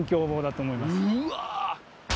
うわ！